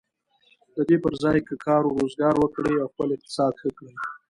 د دې پر ځای که کار و روزګار وکړي او خپل اقتصاد ښه کړي.